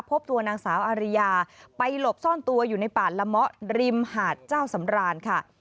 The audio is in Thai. พบตัวนางสาวอาริยาไปหลบซ่อนตัวอยู่ในป่าละเมาะริมหาดเจ้าสำรานค่ะ